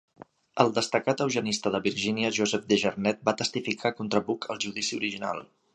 El destacat eugenista de Virginia Joseph DeJarnette va testificar contra Buck al judici original.